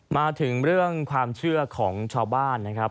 มาถึงเรื่องความเชื่อของชาวบ้านนะครับ